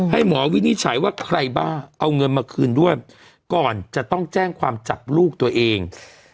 หมอวินิจฉัยว่าใครบ้าเอาเงินมาคืนด้วยก่อนจะต้องแจ้งความจับลูกตัวเอง